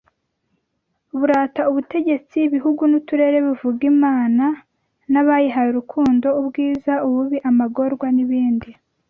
Burata ubutegetsi ibihugu n’uturere buvuga Imana n’abayihaye urukundo ubwiza ububi amagorwa n’ibindi